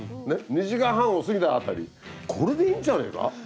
２時間半を過ぎたあたりこれでいいんじゃねぇか？